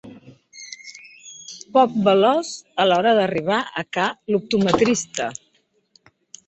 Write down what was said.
Poc veloç a l'hora d'arribar a ca l'optometrista.